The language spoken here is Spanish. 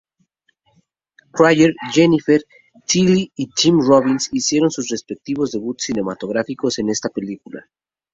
Cryer, Jennifer Tilly y Tim Robbins hicieron sus respectivos debuts cinematográficos en esta película.